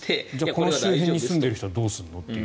この周辺に住んでる人はどうするのっていう。